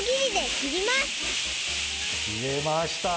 きれました！